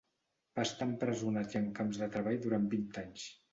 Va estar empresonat i en camps de treball durant vint anys.